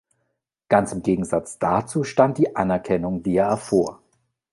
Ganz im Gegensatz dazu stand die Anerkennung, die er erfuhr.